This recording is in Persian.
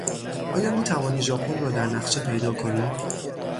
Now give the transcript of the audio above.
آیا میتوانی ژاپن را در نقشه پیدا کنی؟